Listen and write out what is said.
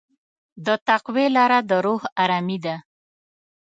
د تقوی لاره د روح ارامي ده.